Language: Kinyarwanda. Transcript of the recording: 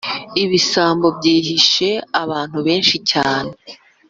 ibisambo byihishe abantu benshi cyane